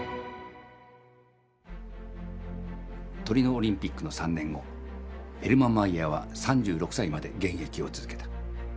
トリノオリンピックの３年後、ヘルマン・マイヤーは３６歳まで現役を続けた。